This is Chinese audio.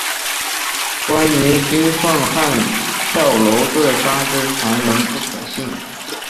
关于金凤汉跳楼自杀之传闻不可信。